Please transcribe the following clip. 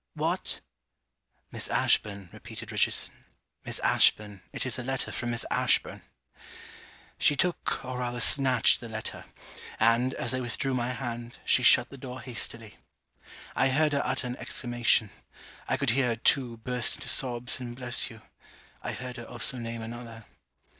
What?' 'Miss Ashburn,' repeated Richardson, 'Miss Ashburn, it is a letter from Miss Ashburn.' She took or rather snatched the letter; and, as I withdrew my hand, she shut the door hastily. I heard her utter an exclamation I could hear her too burst into sobs and bless you. I heard her also name another.